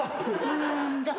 うんじゃあ。